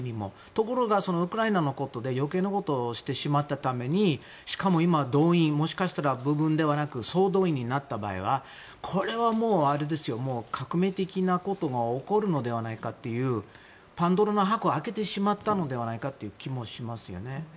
ところが、ウクライナのことで余計なことをしてしまったためにしかも今動員、もしかしたら部分ではなく総動員になった場合はこれはもう革命的なことが起こるのではないかというパンドラの箱を開けてしまったのではないかという気もしますよね。